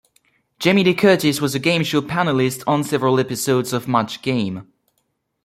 Jamie Lee Curtis was a game-show panelist on several episodes of "Match Game".